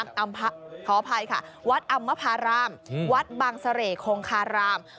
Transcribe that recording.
วัดอำพาขออภัยค่ะวัดอำมพารามวัดบางเสร่ห์โครงคาราม